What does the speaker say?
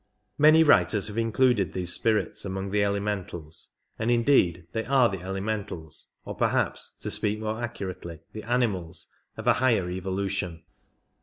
Many writers have included these spirits among the elementals, and indeed they are the elementals (or per haps, to speak more accurately, the animals) of a higher evolution.